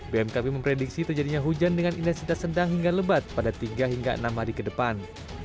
bmkp memprediksi terjadinya hujan dengan intensitas sedang hingga lebat pada tiga hingga enam hari ke depan